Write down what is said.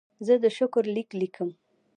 زه د شکر لیک لیکم.